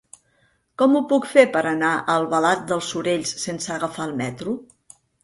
Com ho puc fer per anar a Albalat dels Sorells sense agafar el metro?